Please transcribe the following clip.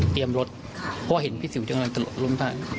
เตรียมรถค่ะเพราะว่าเห็นพี่สิวจะกำลังจะลดลงท่าน